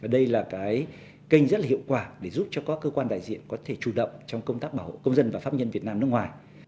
đây là cái kênh rất hiệu quả để giúp cho các cơ quan đại diện có thể chủ động trong công tác bảo hộ công dân và pháp nhân việt nam nước ngoài